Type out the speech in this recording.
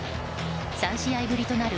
３試合ぶりとなる